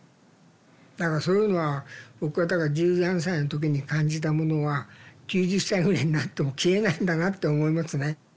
だからそういうのは僕は十何歳の時に感じたものは９０歳ぐらいになっても消えないんだなって思いますね。